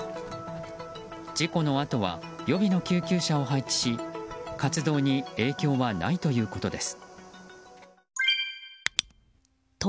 事故のあとは予備の救急車を配置し活動に影響はないということです。